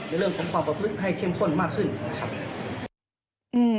ในเรื่องของความประพฤติให้เข้มข้นมากขึ้นนะครับ